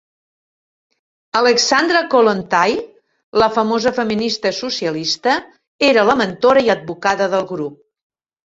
Alexandra Kollontai, la famosa feminista socialista, era la mentora i advocada del grup.